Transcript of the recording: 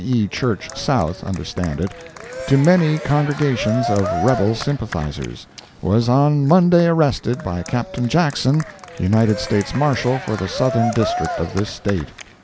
E. Church South understand it, to many congregations of Rebel sympathizers, was on Monday arrested by Captain Jackson, United States Marshal for the Southern District of this State.